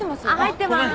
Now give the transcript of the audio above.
入ってまーす。